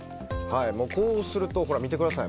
こうすると、見てください。